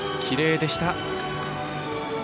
きれいでした。